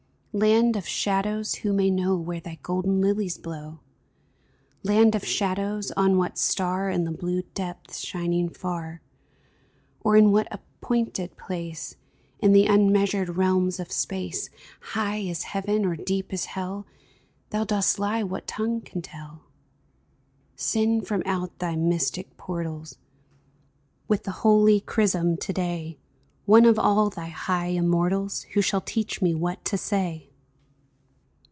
Land of shadows, who may know Where thy golden lilies blow ? Land of shadows, on what star In the blue depths shining far, Or in what appointed place A DREAM OF SONGS UNSUNG 29/ In the unmeasured realms of space, High as heaven, or deep as hell, Thou dost lie what tongue can tell ? Send from out thy mystic portals With the holy chrism to day, One of all thy high immortals Who shall teach me what to say